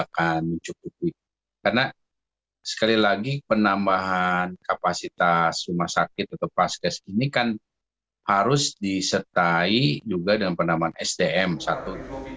karena sekali lagi penambahan kapasitas rumah sakit atau paskes ini kan harus disertai juga dengan penambahan sdm satu